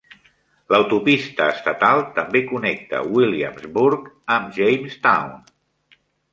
L'autopista estatal també connecta Williamsburg amb Jamestown.